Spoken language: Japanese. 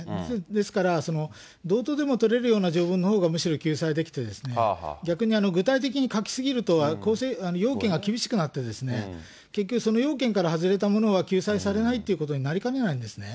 ですから、どうとでも取れる条文のほうがむしろ救済できて、逆に具体的に書きすぎると、要件が厳しくなって、結局、その要件から外れたものは救済されないということになりかねないんですね。